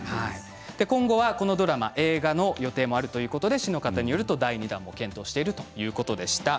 今後は、このドラマ映画の予定もあるということで市の方によると第２弾も検討しているということでした。